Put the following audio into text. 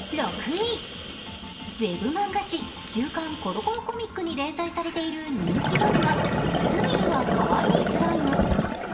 ウェブ漫画誌「週刊コロコロコミック」に連載されている人気漫画「ぷにるはかわいいスライム」。